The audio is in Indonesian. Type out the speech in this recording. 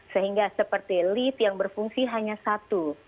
sehingga seperti lift yang berfungsi hanya satu